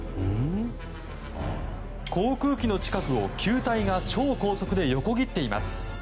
航空機の近くを球体が超高速で横切っています。